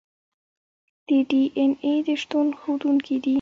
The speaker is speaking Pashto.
د ډي این اې د شتون ښودونکي دي.